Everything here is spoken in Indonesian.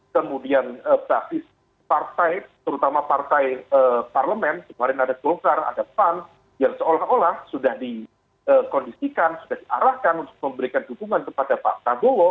kemudian basis partai terutama partai parlemen kemarin ada golkar ada pan yang seolah olah sudah dikondisikan sudah diarahkan untuk memberikan dukungan kepada pak prabowo